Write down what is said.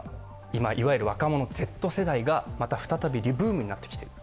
今、いわゆる若者、Ｚ世代がまた再びリブームになってきている。